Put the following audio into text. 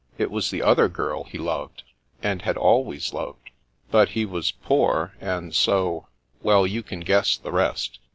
It was the other girl he loved, and had always loved. But he was poor, and so— well, you can guess the rest.